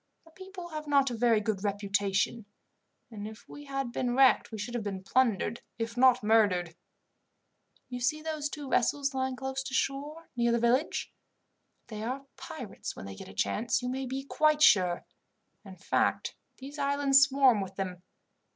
The people have not a very good reputation, and if we had been wrecked we should have been plundered, if not murdered. "You see those two vessels lying close to the shore, near the village? They are pirates when they get a chance, you may be quite sure. In fact, these islands swarm with them.